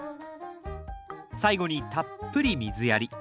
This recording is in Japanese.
最後にたっぷり水やり。